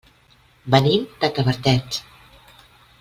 Venim de Tavertet.